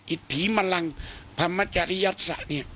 อิฐีแมลงธรรมจริยศ